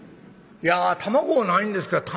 いや卵ないんですか。